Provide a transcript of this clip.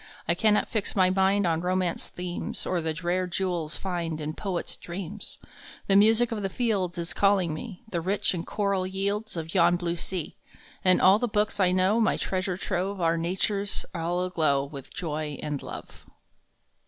I cannot fix my mind On Romance themes, Or the rare jewels find In poets dreams. The music of the fields Is calling me The rich and choral yields Of yon blue sea ; And all the books I know, My treasure trove, Are Nature s all aglow With joy and love.